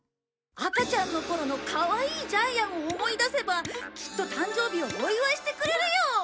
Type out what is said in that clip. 赤ちゃんの頃のかわいいジャイアンを思い出せばきっと誕生日をお祝いしてくれるよ！